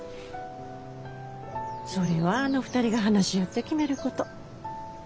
それはあの２人が話し合って決めること。